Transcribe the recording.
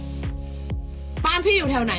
หนูก็ตามจากพี่เก่งไง